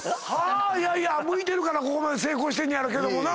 いやいや向いてるからここまで成功してんねやろうけどもな。